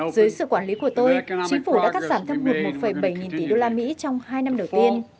dưới sự quản lý của tôi chính phủ đã cắt giảm thâm hụt một bảy nghìn tỷ đô la mỹ trong hai năm đầu tiên